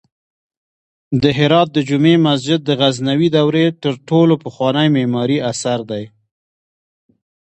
د هرات د جمعې مسجد د غزنوي دورې تر ټولو پخوانی معماری اثر دی